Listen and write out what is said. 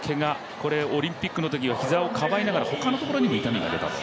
これはオリンピックのときは膝をかばいながら他のところにも痛みが出たと。